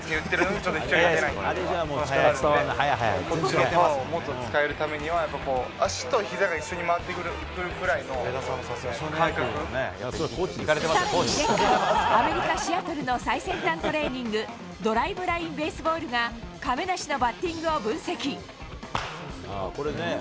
軸足のパワーをもっと使えるためには、足とひざが一緒に回ってくさらに前回、アメリカ・シアトルの最先端トレーニング、ドライブライン・ベースボールが亀梨のバッティングを分析。